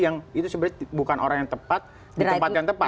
yang itu sebenarnya bukan orang yang tepat di tempat yang tepat